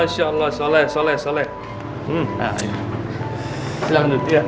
salah salah salah